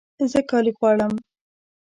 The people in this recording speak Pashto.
زه کالي غواړم